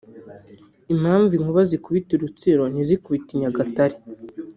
impamvu inkuba zikubita i Rutsiro ntizikubite i Nyagatare